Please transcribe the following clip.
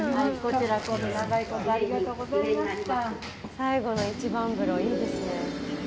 最後の一番風呂いいですね。